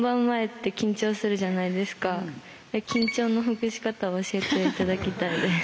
緊張のほぐし方を教えて頂きたいです。